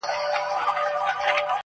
• احساس هم کوي,